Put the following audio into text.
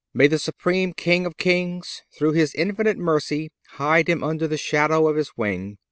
May the supreme King of kings, through His infinite mercy, hide him under the shadow of His wing.